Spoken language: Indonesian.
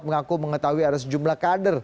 mengaku mengetahui ada sikap erwin aksa yang terbuka